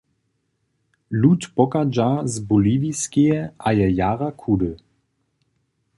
Lud pochadźa z Boliwiskeje a je jara chudy.